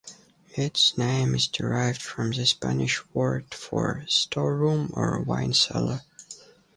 Its name is derived from the Spanish word for "storeroom" or "wine cellar".